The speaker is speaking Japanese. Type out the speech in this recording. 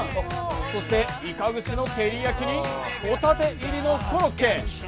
そしていか串の照焼きにホタテ入りのコロッケ。